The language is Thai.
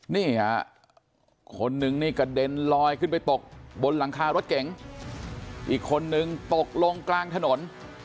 นี่ฮะคนนึงนี่กระเด็นลอยขึ้นไปตกบนหลังคารถเก๋งอีกคนนึงตกลงกลางถนน